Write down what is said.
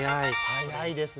早いですね。